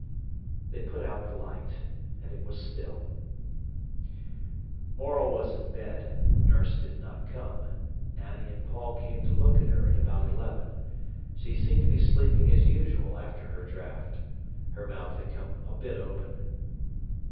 They put out the light, and it was still. Morel was in bed. Nurse did not come. Annie and Paul came to look at her at about eleven. She seemed to be sleeping as usual after her draught. Her mouth had come a bit open.